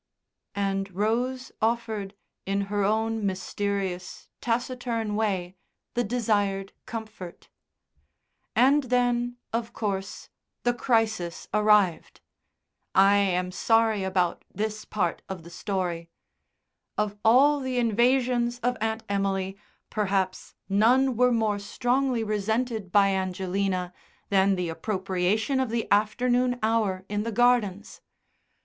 And Rose offered in her own mysterious, taciturn way the desired comfort. And then, of course, the crisis arrived. I am sorry about this part of the story. Of all the invasions of Aunt Emily, perhaps none were more strongly resented by Angelina than the appropriation of the afternoon hour in the gardens.